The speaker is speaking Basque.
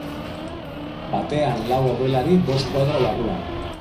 Batean lau aurrelari bost kuadro barruan.